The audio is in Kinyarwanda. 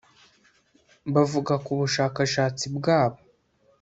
Bavuga ku bushakashatsi bwabo